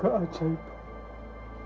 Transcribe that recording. apakah bapak sangsi